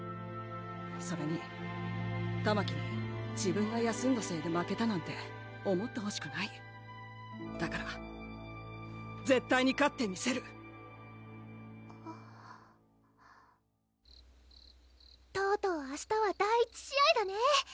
それにたまきに自分が休んだせいで負けたなんて思ってほしくないだから絶対に勝ってみせるとうとう明日は第一試合だね